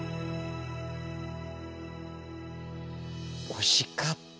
惜しかった！